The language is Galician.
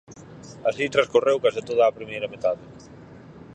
Así transcorreu case toda a primeira metade.